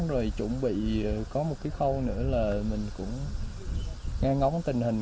rồi chuẩn bị có một cái khâu nữa là mình cũng nghe ngóng tình hình